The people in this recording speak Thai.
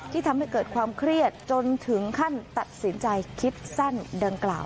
ทำให้เกิดความเครียดจนถึงขั้นตัดสินใจคิดสั้นดังกล่าว